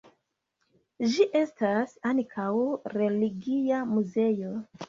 Ĝi estas ankaŭ religia muzeo.